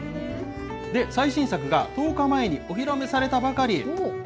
最新作が１０日前にお披露目されたばかり。